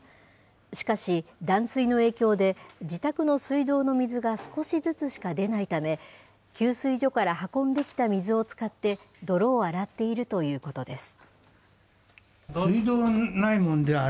しかし、断水の影響で自宅の水道の水が少しずつしか出ないため、給水所から運んできた水を使って、泥を洗っているということです。